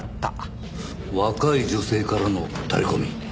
若い女性からのタレコミ。